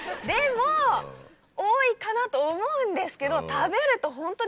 でも多いかな？と思うんですけど。